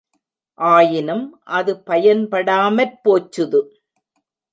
ஆயினும் அது பயன்படாமற் போச்சுது.